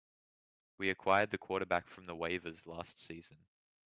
We acquired the quarterback from waivers last season.